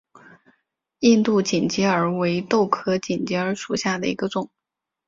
印度锦鸡儿为豆科锦鸡儿属下的一个种。